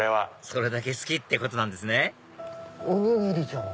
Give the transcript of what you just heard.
それだけ好きってことなんですねおにぎりじゃん！